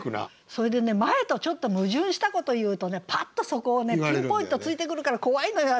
それでね前とちょっと矛盾したことを言うとねパッとそこをピンポイント突いてくるから怖いのよ